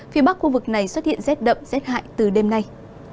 phía bắc khu vực này xuất hiện rét đậm rét hại từ đêm nay